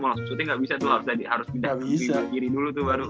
mau langsung shooting gabisa tuh harus pindah ke kiri dulu tuh baru